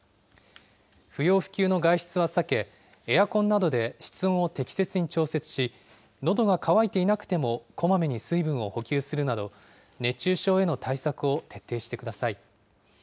不要不急の外出は避け、エアコンなどで室温を適切に調節し、のどが渇いていなくてもこまめに水分を補給するなど、熱中症への対策を徹底してください。